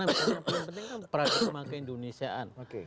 yang penting kan prajurit semangka indonesiaan